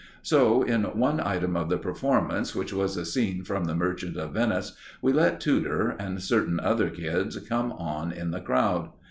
So in one item of the performance, which was a scene from "The Merchant of Venice," we let Tudor and certain other kids come on in the crowd.